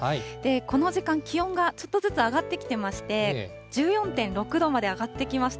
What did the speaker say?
この時間、気温がちょっとずつ上がってきてまして、１４．６度まで上がってきました。